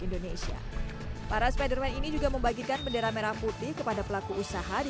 indonesia para spiderman ini juga membagikan bendera merah putih kepada pelaku usaha di